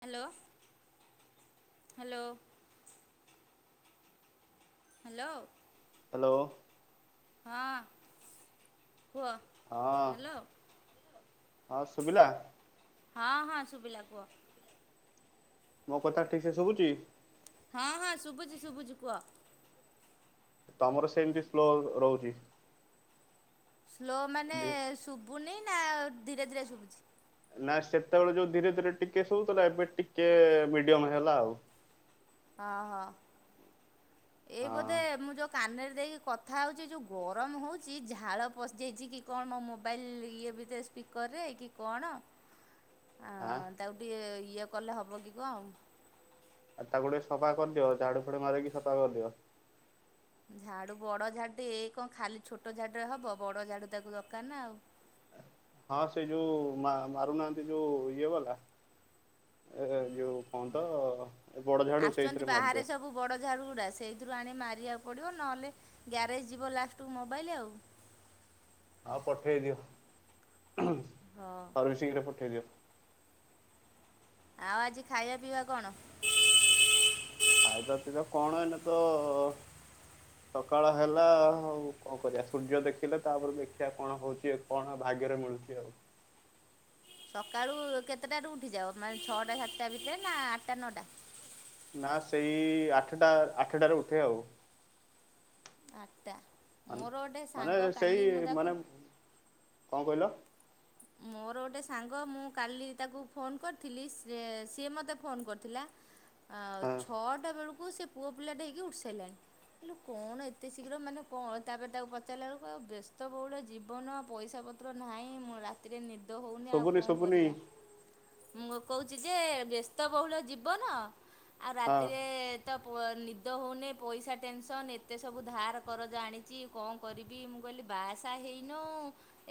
Hello hello hello hello ହଁ, କୁହ? ହଁ, ହ୍ୟାଲୋ ହଁ ଶୁଭିଲା? ହଁ, ହଁ ଶୁଭିଲା କୁହ। ମୋ କଥା ଠିକ୍ ସେ ଶୁଭୁଛି। ହଁ, ହଁ ଶୁବୁଛି ଶୁବୁଛି କୁହ? ତମର ସେମିତି ସ୍ଲୋ ରହୁଛି। ସ୍ଲୋ ମାନେ ଶୁଭୁନି ନା ଧୀରେ ଧୀରେ ଶୁଭୁଛି? ନା ସେତେବେଳେ ଯୋଉ ଧୀରେ ଧୀରେ ଟିକେ ଶୁବୁଥିଲା ଏବେ ଟିକେ ମିଡିୟମ ହେଲା ଆଉ। ହଁ, ହଁ ଏଇ ହଁ ବୋଧେ ମୁଁ ଯଉ କାନରେ ଦେଇକି କଥା ହେଉଛି ଯେଉଁ ଗରମ ହେଉଛି ଝାଳ ପଶିଯାଇଛି କି କଣ ମୋ ମୋବାଇଲ୍ ଇଏ ଭିତରେ ସ୍ପିକରରେ କି କଣ? ହଁ। ତାକୁ ଟିକେ ଇଏ କଲେ ହେବ କି କଣ। ଆଉ ତାକୁ ଟିକେ ସଫା କରିଦିଅ ଝାଡୁ ଫାଡୁ ମାରିକି ସଫା କରିଦିଅ। ଝାଡୁ, ବଡ ଝାଡୁ, ଏଇ କଣ ଖାଲି ଛୋଟ ଝାଡୁ ରେ ହବ ବଡ ଝାଡୁ ତାକୁ ଦରକାର ନା ଆଉ। ହଁ ସେ ଯୋଉ ମାରୁନାହାନ୍ତି ଯୋଉ ଇଏ ବାଲା ଏ ଯୋଉ କଣନ୍ତ? ବଡଝାଡୁ ଆସୁଛନ୍ତି ସେଇଥିରେ ବାହାରେ ମାରିଦିଅନ୍ତି। ସବୁ ବଡ଼ ଝାଡ଼ୁଗୁଡ଼ା ସେଇଥିରୁ ଆଣି ମାରିବାକୁ ପଡ଼ିବ। ନହେଲେ ଗ୍ୟାରେଜ ଯିବ ଲାଷ୍ଟ କୁ ମୋବାଇଲ୍। ଆଉ। ଆଉ ପଠେଇଦିଅ। [unintelligible] ହଁ। ହଉ ସିଘ୍ର ପଠେଇଦିଅ। ଆଉ ଆଜି ଖାଇବା ପିଇବା କଣ? ଆଉ ତ ଅସୁଧା [unintelligible] କଣ ଏଇନେ ତ [inaudible] ସକାଳ ହେଲା। ଆଉ କଣ କରିବା? ସୂର୍ଯ୍ୟ ଦେଖିଲେ ତାପରେ ଦେଖିବା କଣ ହଉଛି କଣ ଭାଗ୍ୟରେ ମିଳୁଛି ଆଉ ସକାଳୁ କେତେଟାରୁୁ ଉଠିଯାଅ, ମାନେ ଛଅଟା ସାତଟା ଭିତରେ ନା ଆଠଟା ନଅଟା? ନା ସେଇ ଆଠଟା, ଆଠଟାରେ ଉଠେ ଆଉ ଆଟଟା ମାନେ ସେଇ ମାନେ, କଣ କହିଲ? ମୋର ଗୋଟେ ସାଙ୍ଗ, ମୁଁ କାଲି ତାକୁ ଫୋନ କରିଥିଲି। ସେ ସିଏ ମୋତେ ଫୋନ କରିଥିଲା। ଆ ହଁ ଛଅଟା ବେଳକୁ ସେ ପୁଅ ପିଲାଟେ ହେଇକି ଉଠି ସାରିଲାଣି। ହେ କଣ ଏତେ ଶୀଘ୍ର ମାନେ କଣ? ତାପରେ ତାକୁ ପଚାରିଲା ବେଳକୁ ଆଉ ବ୍ୟସ୍ତବହୁଳ ଜୀବନ ଆଉ ପଇସା ପତ୍ର ପତ୍ର ନାହିଁ। ମୁଁ ରାତିରେ ନିଦ ହଉନି ଆଉ ଶୁଭୁନି କଣ ଶୁଭୁନି କରିବା? ମୁଁ, କହୁଛି ଯେ, ବ୍ୟସ୍ତବହୁଳ ଜୀବନ ଆଉ ହଁ ରାତିରେ ତ ନିଦ ହଉନି ପଇସା ଟେନସନ। ଏତେ ସବୁ ଧାର କରଜ ଆଣିଛି। କଣ କରିବି? ମୁଁ କହିଲି ବାହାସାହା ହେଇନୁ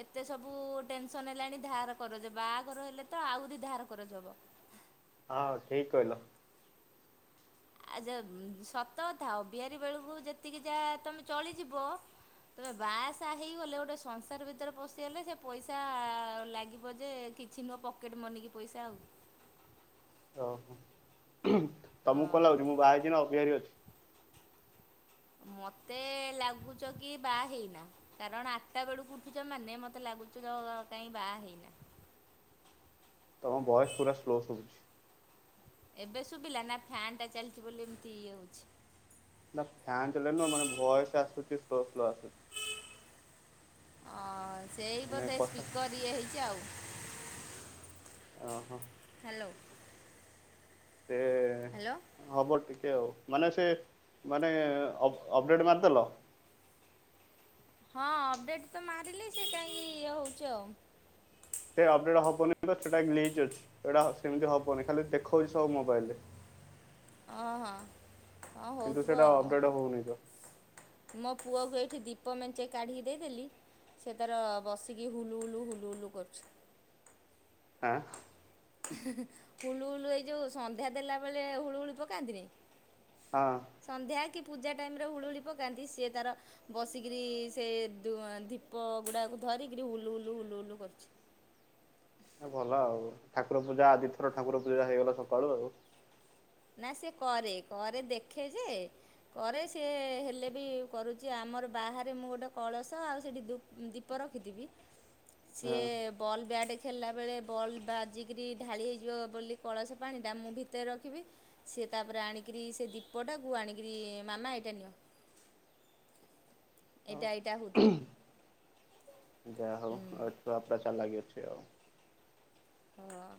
ଏତେ ସବୁ ଟେନସନ ହେଲାଣି ଧାର କରଜ। ବାହାଘର ହେଲେ ତ ଆହୁରି ଧାର କରଜ ହବ। ହଁ ଠିକ କହିଲ। ଆ ଯୋ ସତ କଥା, ଅବିହାରି ବେଳକୁ ଯେତିକି ଯାହା ତମେ ଚଳିଯିବ। ତେବେ ବାହାସାହା ହେଇଗଲେ, ଗୋଟେ ସଂସାର ଭିତରେ ପଶିଗଲେ, ସେ ପଇସା ଲାଗିବ ଯେ ଛି ମୋ ପକେଟ୍ ମନିକି ପଇସା ହଉନି। ଓହୋ। ତମକୁ କଣ ହଁ। ଲାଗୁଛି ମୁଁ ବାହା ହେଇଥିବୀ ନା ଅବିହାରି ଅଛି? ମୋତେ ଲାଗୁଛ କି ବାହା ହେଇନା। କାରଣ ଆଠଟା ବେଳକୁ ଉଠୁଛ ମାନେ, ମତେ ଲାଗୁଛି ତ କାଇ ବାହା ହେଇନା। ତମ ଭଏସ ପୁରା ସ୍ଲୋ ଶୁବୁଛି। ଏବେ ଶୁଭିଲା? ନା ଫ୍ୟାନ୍ ଟା ଚାଲିଛି ବୋଲି ଏମିତି ଇଏ ହଉଛି। ନା ଫ୍ୟାନ୍ ଚଲା ନୁହଁ। ମାନେ ଭୟସ ଆସୁଛି ସ୍ଲୋ ସ୍ଲୋ ଆସୁଛି। ଅ ସେଇ ମାନେ ବୋଧେ କଥା ସ୍ପିକର୍ ଇଏ ହେଇଛି ଆଉ ଓହୋ। ହ୍ୟାଲୋ। ସେ ହ୍ୟାଲୋ ହବ ଟିକେ ଆଉ। ମାନେ ସେ ମାନେ ଅପ ଡ଼େଟ୍ ମାରିଦେଲ? ହଁ ଅପଡ଼େଟ ତ ମାରିଲି। ସିଏ କାହିଁ ଇଏ ହଉଛି ଆଉ। ସେ ଅପଡ଼େଟ୍ ହବନି ତ ସେଇଟା ଗ୍ଲିଚ ଅଛି। ସେଇଟା ସେମିତି ହବନି ଖାଲି ଦେଖାଉଛି ସବୁ ମୋାଇଲରେ ହଁ ହଁ। ହଁ କିନ୍ତୁ ହଉଥିବ ସେଇଟା ଆଉ। ଅପଡେଟ୍ ହଉନି ତ ମୋ ପୁଅକୁ ଏଇଠି ଦୀପ ମେଞ୍ଚେ କାଢ଼ିକି ଦେଇଦେଲି। ସେ ତାର ବସିକି ହୁଲୁ ହୁଲୁ, ହୁଲୁ ହୁଲୁ କରୁଛି। ଆଁ? ହୁଳୁ ହୁଲୁ ଏଇ ଯୋଉ ସନ୍ଧ୍ୟା ଦେଲା ବେଳେ ହୁଳୁ ହୁଳୁ ପକାନ୍ତିନି? ହଁ। ସନ୍ଧ୍ୟା କି ପୂଜା ଟାଇମରେ ହୁଳୁହୁଳି ପକାନ୍ତି ସିଏ ତାର ବସିକିରି ସେ ଧୀପ ଗୁଡ଼ାକୁ ଧରିକିରି ହୁଲୁ ହୁଲୁ ହୁଲୁ ହୁଲୁ କରୁଛି। ଭଲ ଆଉ ଠାକୁର ପୂଜା ଆଦି ଥର ଠାକୁର ପୂଜା ହେଇଗଲା ସକାଳୁ ଆଉ। ନା ସେ କରେ କରେ ଦେଖେ ଯେ କରେ ସି ହେଲେ ବି କରୁଛି ଆମର ବାହାରେ ମୁଁ ଗୋଟେ କଳସ ଆଉ ସେଇଠି ଦୁ ଦୀପ ରଖିଥିବି ସିଏ ବଲ୍ ବ୍ୟାଟ୍ ଖେଳିଲା ବେଳେ ବଲ୍ ବାଜିକରି ଢାଳି ହେଇଯିବ ବୋଲି କଳସ ପାଣିଟା ମୁଁ ଭିତରେ ରଖିବି। ସେ ତାପରେ ଆଣିକିରି ସେ ଦୀପଟାକୁ ଆଣିକିରି ମାମା ଏଇଟା ନିଅ। ହଁ ଏଇଟା ଏଇଟା ହୋଉଥିବ। ଯାହା ହଉ ଆଉ ଛୁଆ ପୁରା ଚାଲାଖି ଅଛି ଆଉ। ହଁ।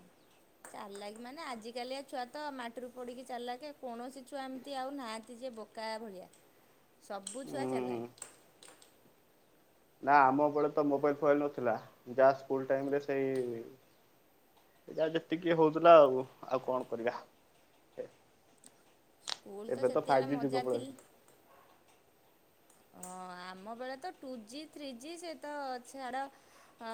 ଚାଲିଲ କି ମାନେ ଆଜିକାଲିଆ ଛୁଆ ତ ମାଟିରୁ ପଡିକି ଚାଲାଖେ କୌଣସି ଛୁଆ ଏମିତି ଆଉ ନାହାନ୍ତି ଯେ ବୋ କା ଭଳିଆ ସବୁ ଛୁଆ ହୁଁ ଚାଲାଖ୍। ନା ଆମ ବେଳେ ତ ମୋବାଇଲ ଫୋବାଇଲ ନଥିଲା ଯାହା ସ୍କୁଲ ଟାଇମ ରେ ସେଇ ଏ ଯା ଯେତିକି ହଉଥିଲା ଆଉ ଆଉ କଣ କରିବା। ସ୍କୁଲ ଏବେ ତ ସେତେବେଳେ ଫାଇଭ୍ ଜି ଯୁଗ ମଜା ଥିଲା। ହେଲାଣି। ହଁ ଆମ ବେଳେ ତ ଟୁ ଜି ଥ୍ରୀ ଜି ସେ ତ ଅ ଛାଡ଼ ହଁ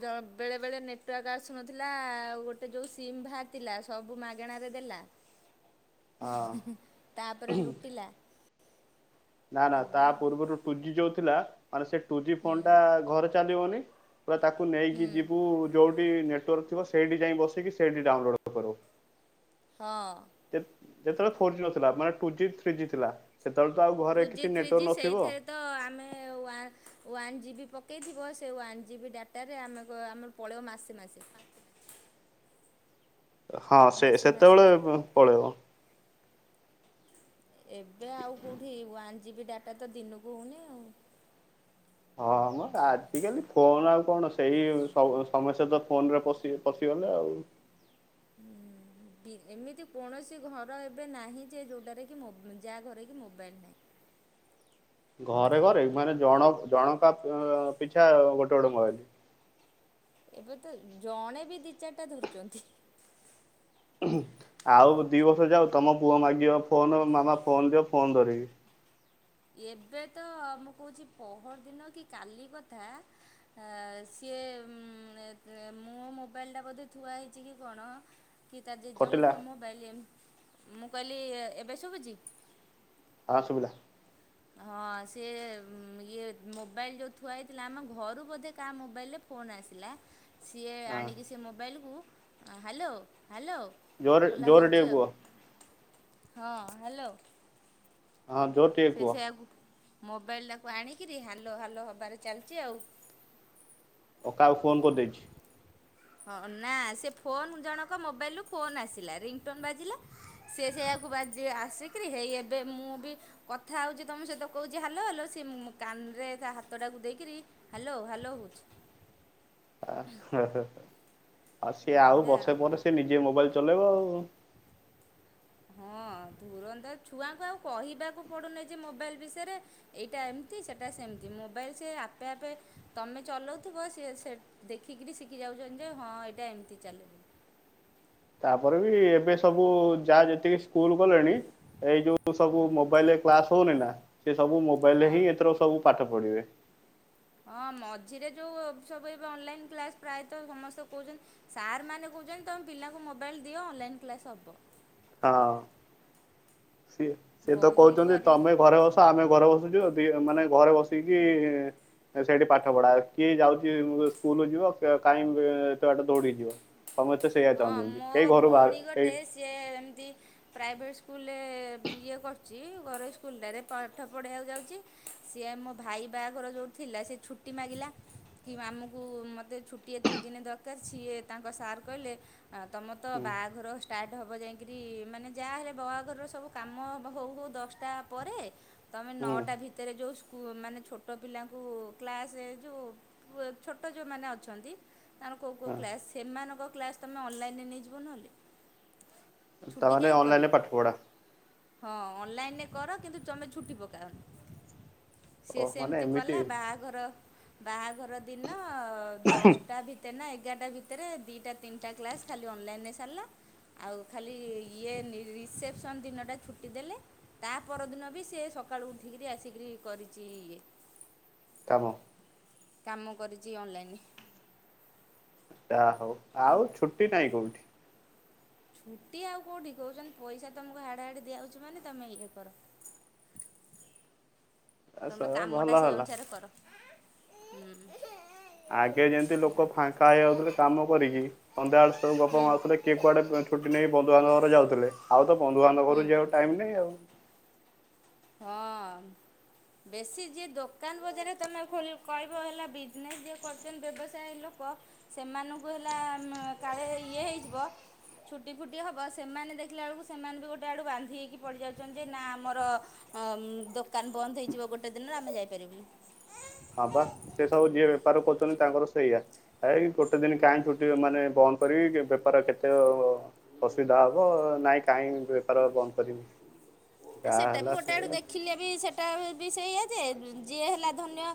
ଜ ବେଳେବେଳେ ନେଟୱାର୍କ ଆସୁନଥିଲା ଆଉ ଗୋଟେ ଯେଉଁ ସିଧା ଥିଲା ସବୁ ମାଗଣାରେ ଦେଲା ହଁ ତାପରେ ଲୁଟିଲା ନା ନା ତା ଏଇଭଳିଆ ଆଉ ପୂର୍ବରୁ ଟୁ ଜି ଯୋଉ ଥିଲା ମାନେ ସେ ଟୁ ଜି ହୁଁ ଫୋନ ଟା ଘରେ ଚାଲିବନି। ପୁରା ତାକୁ ହୁଁ ନେଇକି ଯିବୁ ଯୋଉଠି ନେଟୱାର୍କ ଥିବ ସେଇଠି ଯାଇ ବସିକି ସେଇଠି ଡାଉନଲୋଡ କରୁ। ହଁ ହଁ। ଯେତେବେଳେ ଫୋର୍ ଜି ନଥିଲା ମାନେ ଟୁ ଜି ଥ୍ରୀ ଜି ଥିଲା ସେତେବେଳେ ତ ଆଉ ଟୁ ଘରେ ଜି କିଛି ଥ୍ରୀ ଜି ନେଟୱାର୍କ ନଥିବ। ସେଇଥିରେ ତ ଆମେ ୱା ୱନ୍ ଜିବି ପକେଇଥିବ ସେ ୱାନ୍ ଜିବି ଡାଟାରେ ଆମ ଆମର ପଳେଇବ ମାସେ ମାସେ। ହଁ ସେ ମାସେ ମାସେ ସେତେବେଳେ ପଳେଇବ। ଏବେ ଆଉ କେଉଁଠି ୱାନ୍ ଜି ବି ଡାଟା ତ ଦିନକୁ ହେଉନି ଆଉ। ହଁ ମ ଆଜିକାଲି ଫୋନ ଆଉ କଣ ସେଇ ସମସ୍ୟା ତ ଫୋନ ରେ ପଶ ପଶିଗଲେ ଆଉ। ହୁଁ। ବି ଏମିତି କୌଣସି ଘର ଏବେ ନାହିଁ ଯେ ଯେଉଁଟାରେ କି ମୋ ଯାହା ଘରେ କି ମୋବାଇଲ୍ ନାହିଁ। ଘରେ ଘରେ ମାନେ ଜଣ ଜଣକା ପିଛା ଗୋଟେ ଗୋଟେ ମୋବାଇଲ। ଏବେ ତ ଜଣେ ବି ଦି ଚାରିଟା ଧରୁଛନ୍ତି। ଆଉ ଦି ବର୍ଷ ଯାଉ ତମ ପୁଅ ମାଗିବ ଫୋନ ମାମା ଫୋନ ଦିଅ ଫୋନ ଧରିବି। ଏବେ ତ ମୁଁ କହୁଛି ପୋହର ଦିନ କି କାଲି କଥା ସିଏ ମୋ ମୋବାଇଲଟା ବୋଧେ ଥୁଆ ହେଇଛି କି କଣ କି ତା ଯେ କଟିଲା ଜେଜଙ୍କ ମୋବାଇଲ ମୁଁ କହିଲି ଏବେ ଶୁଭୁଛି? ହଁ ସୁଭିଲା। ହଁ ସିଏ ଇଏ ମୋବାଇଲ୍ ଯୋଉ ଥୁଆ ହେଇଥିଲା ଆମ ଘରୁ ବୋଧେ କାହା ମୋବାଇଲରେ ଫୋନ୍ ଆସିଲା ସିଏ ହଁ ଆଣିକି ସେ ମୋବାଇଲକୁ ହ୍ୟାଲୋ ହ୍ୟାଲୋ। ଜୋରେ [unintelligible] ଜୋରେ ଟିକେ ହଉଛି ଆଉ, କୁହ। ହଁ ହ୍ୟାଲୋ ହଁ ଯୋତ ସେ ସେୟାକୁ ମୋବାଇଲଟାକୁ ଆଣିକରି ହାଲୋ ହାଲୋ ହବାରେ ଚାଲିଛି ଆଉ। ଓ କାହାକୁ ଫୋନ୍ କରିଦେଇଛି? ହଁ ନା ସେ ଫୋନ ଜଣକ ମୋବାଇଲ ରୁ ଫୋନ ଆସିଲା ରିଙ୍ଗଟୋନ୍ ବାଜିଲା। ସେଏ ସେଇଆକୁ ବା ଆସିକରି ହେଇ ଏବେ ମୁଁ ବି କଥା ହଉଛି ତମେ ସହିତ କହୁଛି ହାଲୋ ହାଲୋ, ସେ କାନରେ ତା ହାତଟାକୁ ଦେଇକରି ହ୍ୟାଲୋ ହ୍ୟାଲୋ ହୋହୁଛି। ଆଉ ସିଏ ଆଉ ବର୍ଷେ ପରେ ସେ ନିଜେ ମୋବାଇଲ୍ ଚଲେଇବ ଆଉ। ହଁ ତୁରନ୍ନ୍ତ ଛୁଆଙ୍କୁ ଆଉ କହିବାକୁ ପଡ଼ୁ ନାହିଁ ଯେ ମୋବାଇଲ୍ ବିଷୟରେ। ଏଇଟା ଏମିତି ସେଇଟା ସେମିତି ମୋବାଇଲ୍ ସେ ଆପେ ଆପେ ତମେ ଚଲାଉଥିବ ସେ ସେ ଦେଖିକରି ଶିଖି ଯାଉଛନ୍ତି ଯେ ହଁ ଏଇଟା ଏମିତି ଚାଲିବ। ତାପରେ ବି ଏବେ ସବୁ ଯାହା ଯେତିକି ସ୍କୁଲ ଗଲେଣି ଏଇ ଯୋଉ ସବୁ ମୋବାଇଲ୍ ରେ କ୍ଲାସ ହଉନି ନା ସେ ସବୁ ମୋବାଇଲ୍ ରେ ହଁ ହିଁ ଏଥିର ସବୁ ପାଠ ପଢିବେ। ହଁ ମଝିରେ ଯେଉଁ ସବୁ ଏବେ ଅନଲାଇନ୍ କ୍ଲାସ୍ ପ୍ରାୟତଃ ସମସ୍ତେ କହୁଛନ୍ତି ସାର୍ ମାନେ କହୁଛନ୍ତି ତୁମେ ପିଲାଙ୍କୁ ମୋବାଇଲ୍ ଦିଅ ଅନଲାଇନ୍ କ୍ଲାସ୍ ହବ। ହଁ। ସିଏ ସିଏ ତ ବହି କହୁଛନ୍ତି ଭରି ତମେ ଘରେ ଅ ଆମେ ଘରେ ବସୁଛୁ ମାନେ ଘରେ ବସିକି ସେଇଠି ପାଠ ପଢା କିଏ ଯାଉଛି ସ୍କୁଲ ଯିବ କାଇହିଁ ବାଟ ଦୌଡିଯିବ ସମସ୍ତେ ସେଇଆ ଚାହୁଁଛନ୍ତି କେହି ଘରୁ ବାହାରେ କେହି ଯେ ଏମିତି ପ୍ରାଇଭେଟ୍ ସ୍କୁଲରେ ଇଏ କରୁଛି। ଘରଇ ସ୍କୁଲ୍ ଠାରେ ପାଠ ପଢ଼ିବବାକୁ ଯାଉଛି। ସିଏ ମୋ ଭାଇ ବାହାଘର ଯୋଉଠି ଥିଲା ସେ ଛୁଟି ମାଗିଲା। କି ମାମୁଁକୁ ମତେ ଛୁଟି ଏତିକି ଦିନେ ଦର ଦରକାର, ସିଏ ତାଙ୍କ ସାର୍ କହିଲେ ତମ ତ ହୁଁ ବାହାଘର ଷ୍ଟାର୍ଟ ହେବ ଯାଇକିରି ମାନେ ଯାହାହଲେ ବହାଘରର ସବୁ କାମ ହଉ ହଉ ଦଶଟା ପରେ ତମେ ହୁଁ ନଅଟା ଭିତରେ ଯୋଉ ସ୍କୁ ମାନେ ଛୋଟ ପିଲାଙ୍କୁ କ୍ଲାସରେ ଯୋଉ ଛୋଟ ଯଉମାନେ ଅଛନ୍ତି। ତାଣର କୋଉ କୋଉ ହଁ କ୍ଲାସ୍ ସେମାନଙ୍କ କ୍ଲାସ୍ ତୁମେ ଅନଲାଇନ୍ ରେ ନେଇଯିବ ନହେଲେ। ଛୁଟି ତାମାନେ କାହିଁ ଅନଲାଇନରେ କରିବ? ପାଠ ପଢା ହଁ ଅନଲାଇନରେ କର କିନ୍ତୁ ତମେ ଛୁଟି ପକାଅନି। ସିଏ ଓ ମାନେ ସେମିତି ଏମିତି କଲା ବାହାଘର ବାହାଘର ଦିନ ଦଶଟା ଭିତ ଏଗାରଟା ଭିତରେ ଦିଟା ତିନିଟା କ୍ଲାସ୍ ଖାଲି ଅନଲାଇନ ରେ ସାରିଲା। ଆଉ ଖାଲି ଇଏ ରିସେପସନ୍ ଦିନଟା ଛୁଟି ଦେଲେ। ତା ପରଦିନ ବି ସେ ସକାଳୁ ଉଠିକିରି ଆସିକରି କରିଛି ଇଏ କାମ। କାମ କରିଛି ଅନଲାଇନ୍। ଯା ହଉ କ'ଣ ଆଉ ଛୁଟି ନାଇଁ କୋଉଠି। ଛୁଟି ଆଉ କୋଉଠି କହୁଛନ୍ତି ପଇସା ତମକୁ ହାଡ଼େ ହାଡ଼େ ଦିଆହଉଛି ମାନେ ତମେ ଇଏ କର। ଆସ ତମେ କାମଟା ଭଲ ସେଇ ହେଲା। ଅନୁସାରେ କର। ହୁଁ। ଆଗେ ଯେମତି ଲୋକ ଏୟା ଫାଙ୍କା ହେଇଯାଉଥିଲେ କାମ କରିକି ସଂନ୍ଧ୍ୟା ବେଳେ ସବୁ ଗପ ହୁଁ ମାରୁୁଥିଲେ। କିଏ କୁଆଡେ ଛୁଟି ନେଇ ବନ୍ଧୁବାନ୍ଧବ ଘର ଯାଉଥିଲେ ଆଉ ତ ବନ୍ଧୁ ବାନ୍ଧବ ହୁଁ ଘର କୁ ଯିବା ଟାଇମ୍ ନାଇଁ ଆଉ। ହଁ। ବେଶୀ ଯିଏ ଦୋକାନ ବଜାର ତମେ ଖ କହିବ ହେଲା ବିଜନେସ୍ ଯିଏ କରୁଛନ୍ତି ବ୍ୟବସାୟ ଲୋକ ସେମାନଙ୍କୁ ହେଲା କାଳେ ଇଏ ହେଇଯିବ ଛୁଟି ଫୁଟି ହେବ ସେମାନେ ଦେଖିଲା ବେଳକୁ ସେମାନେ ବି ଗୋଟେ ଆଡ଼ୁ ବାନ୍ଧି ହେଇକି ପଡ଼ିଯାଉଛନ୍ତି ଯେ ନା ଆମର ଅ ଦୋକାନ ବନ୍ଦ ହେଇଯିବ ଗୋଟେ ଦିନରେ ଆମେ ଯାଇପାରିବୁନି। ହଁବା ସେ ସବୁ ଯିଏ ବେପାର କରୁଛନ୍ତି ତାଙ୍କର ସେଇଆା ଏ ଗୋଟେ ଦିନ କାହିଁ ଛୁଟି ମାନେ ବନ୍ଦ କରିବି ବେପାର କେତେ ଅସୁବିଧା ହବ ନାଇଁ କାଇଁ ବେପାର ବନ୍ଦ କରିବି ଆ ଯାହା ସେଟା ବି ହେଲା ଗୋଟେ ଆଡ଼ୁ ସେୟା। ଦେଖିଲେ ବି ସେଇଟା ବି ସେଇଆ ଯେ ଯିଏ ହେଲା ଧନ୍ୟ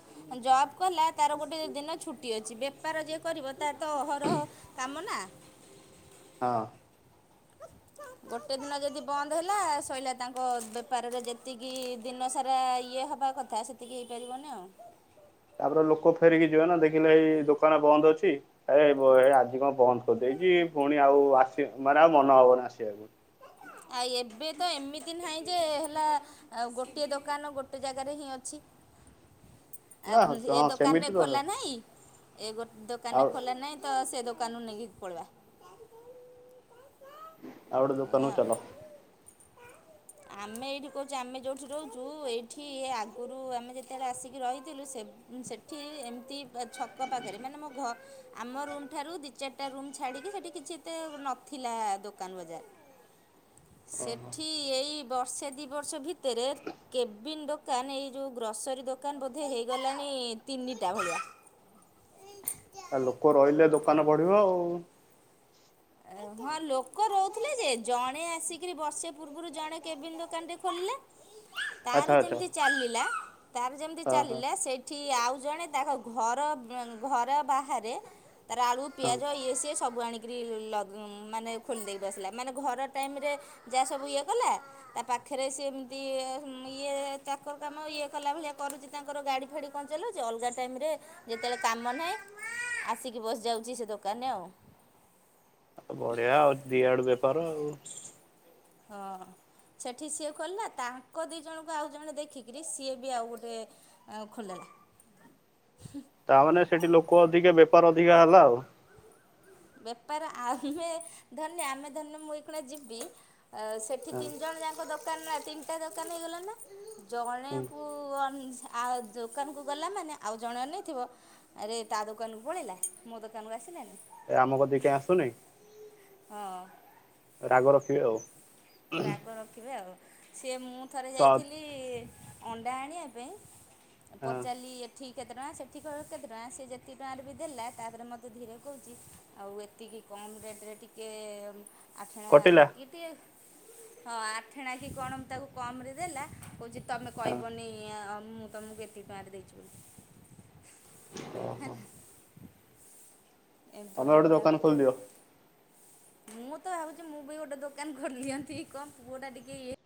ଜବ୍ କଲା ତାର ଗୋଟେ ଦିନ ଛୁଟି ଅଛି ବେପାର ଯିଏ କରିବ ତାର ତ ଅହରହ କାମ ନା। ହଁ। ଗୋଟେ ଦିନ ଯଦି ବନ୍ଦ ହେଲା ସଇଲା ତାଙ୍କ ବେପାରରେ ଯେତିକି ଦିନସାରା ଇଏ ହେବା କଥା କଥା ସେତିକି ହେଇପାରିବନି ଆଉ। ତାପରେ ଲୋକ ଫେରିକି ଯିବେ ନା ଦେଖିଲେ ଏଇ ଦୋକାନ ବନ୍ଦ ଅଛି ଏ ଏ ଆଜି କଣ ବନ୍ଦ କରିଦେଇଚି ପୁଣି ଆଉ ଆସି ମାନେ ଆଉ ମନ ହବନି ଆସିଆକୁ। ଆଇ ଏବେ ତ ଏମିତି ନାହିଁ ଯେ ହେଲା ଆଉ ଗୋଟିଏ ଦୋକାନ ଗୋଟେ ଜାଗାରେ ହିଁ ଅଛି। ଆଉ ଏ ହଁ ଦୋକାନରେ ସେମିତି ତ ଖୋଲା ନାହିଁ ଏ ଗୋଟେ ଦୋକାନରେ ଆଉ ଖୋଲା ନାହିଁ ତ ସେ ଦୋକାନରୁ ନେଇକି ପଳିବା। ଆଉ ଗୋଟେ ଏଇଆ ଦକାନ କୁ ଆଉ ଚାଲ। ଆମେ ଏଇଠି କହୁଚୁ ଆମେ ଯୋଉଠି ରହୁଚୁ ଏଇଠି ଆଗୁରୁ ଆମେ ଯେତେବେଳେ ଆସିକି ରହିଥିଲୁ ସେବେ ସେଠି ଏମିତି ଛକ ପାଖେରେ ମାନେ ମୋ ଘ ଆମ ରୁମ୍ ଠାରୁ ଦି ଚାରିଟା ରୁମ୍ ଛାଡ଼ିକି ସେଠି କିଛି ଏତେ ନଥିଲା ଦୋକାନ ବଜାର। ଓହୋ ସେଠି ଏଇ ବର୍ଷେ ଦି ବର୍ଷ ଭିତେରେ କେବିନ୍ ଦୋକାନ ଏଇ ଯୋଉ ଗ୍ରସରୀ ଦୋକାନ ବୋଧେ ହେଇଗଲାଣି ତିନିଟା ଭଳିଆ। ଆ ଲୋକ ରହିଲେ ଦୋକାନ ବଢିବ ଆଉ। ହଁ ଲୋକ ରହୁଥିଲେ ଯେ ଜଣେ ଆସିକିରି ବର୍ଷେ ପୂର୍ବୁରୁ ଜଣେ କେବିନ୍ ଦୋକାନ ଟେ ଖୋଲିଲା ତାର ଆଚ୍ଛା ଆଚ୍ଛା ଯେମତି ଚାଲିଲା, ତାର ଯେମିତି ହଁ ଚାଲିଲା ସେ ସେଠି ଆଉ ଜଣେ ତାଙ୍କ ଘର, ଘର ବାହାରେ ତାର ଆଳୁ ହଁ ପିଆଜ ଇଏ ସିଏ ସବୁ ଆଣିକିରି ଲ ମାନେ ଖୋଲି ଦେଇକି ବସିଲା, ମାନେ ଘର ଟାଇମ୍ ରେ ଯାହା ସବୁ ଇଏ କଲା ତା ପାଖେରେ ସେମତି ଇଏ ଚାକର କାମ ଇଏ କଲା ଭଳିଆ କରୁଚି। ତାଙ୍କର ଗାଡ଼ି ଫାଡ଼ି କଣ ଚଲଉଚି ଅଲଗା ଟାଇମ୍ ରେ ଯେତବଳେ କାମ ନାହିଁ ଆସିକି ବସିଯାଉଚି ସେ ଦୋକାନ୍ ରେ ଆଉ। ବଢିଆ ଆଉ ଦି ଆଡୁ ବେପାର ଆଉ। ହଁ। ସେଠି ସିଏ କଲା ତାଙ୍କ ଦି ଜଣଙ୍କୁ ଆଉ ଜଣେ ଦେଖିକିରି ସିଏ ବି ଆଉ ଗୋଟେ ଆଉ ଖୋଲିଦେଲା। ତାମାନେ ସେଠି ଲୋକ ଅଧିକା ବେପାର ଅଧିକା ହେଲା ଆଉ। ବେପାର ଆମେ ଧନେ ଆମେ ଧନେ ମୁଁ ଏଇଖିନା ଯିବି ଆ ସେଠି ହଁ ତିନି ଜଣ ଯାକ ଦୋକାନ ନା ତିନିଟା ଦୋକାନ ହେଇଗଲା ନା ହୁଁ ଜଣେଙ୍କୁ କୁ ଅନ୍ ଆ ଦୋକାନୁକୁ ଗଲା ମାନେ ଆଉ ଜଣେ ନେଇଥିବ ଆରେ ତା ଦୋକାନ କୁ ପଳେଇଲା ମୋ ଦୋକାନରୁୁ ଆସିଲାନି। ଏ ଆମ କତିକି କାଇଁ ଆସୁନି ହଁ ରାଗ ରଖିବେ ଆଉ। ରାଗ ରଖିବେ ଆଉ। ସିଏ ମୁଁ ଥରେ ତ ହଁ ଯାଇଥିଲି ଆଣ୍ଡ ଆଣିଆ ପାଇଁ ପଚାରିଲି ଏଠି କେତେ ଟଙ୍କା ସେଠି କେତେ ଟଙ୍କା ସିଏ ଯେତିକି ଟଙ୍କାରେ ବି ଦେଲା ତାପରେ ମତେ ଧୀର କହୁଚି ଆଉ ଏତିକି କମ୍ ରେଟ୍ ରେ ଟିକେ ଆଠେଣା କଟିଲା କି ଟିକେ ହଁ ଆଠେଣା କିି କଣ ମୁଁ ତାକୁ କମ୍ ରେ ଦେଲା, କଉଚି ତମେ ହଁ କଇବନି ମୁଁ ତମୁକୁ ଏତିକି ଟଙ୍କା ରେ ଦେଇଚି ବୋଲି। ଓହୋ [unintelligible] ଏଭଳି ତମେ ଗୋଟେ ଏଇଭଳିଆ ଦୋକାନ କଥା ଖୋଲିଦିଅ? ମୁଁ ତ ଭାବୁଛି, ମୁଁ ବି ଗୋଟେ ଦୋକାନ ଖୋଲି ଦିଅନ୍ତି। କଣ ପୁଅ ଟା ଟିକେ ଇଏ